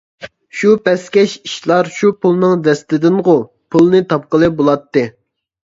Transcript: شۇ پەسكەش ئىشلار شۇ پۇلنىڭ دەستىدىنغۇ، پۇلنى تاپقىلى بولاتتى.